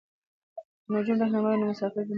که نجونې رهنما وي نو مسافر به نه سرګردانه کیږي.